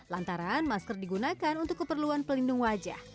lantaran masker digunakan untuk keperluan pelindung wajah